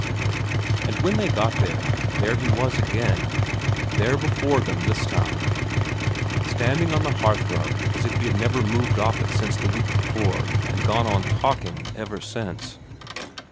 And when they got there, there he was again ; there before them this time, standing on the hearthrug as if he had never moved off it since the week before and had gone on talking ever since.